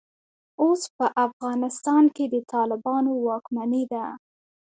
اوس په افغانستان کې د طالبانو واکمني ده.